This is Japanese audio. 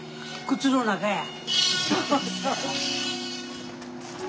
靴の中や！